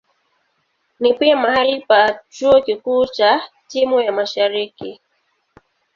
Ni pia mahali pa chuo kikuu cha Timor ya Mashariki.